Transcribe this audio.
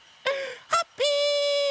ハッピー！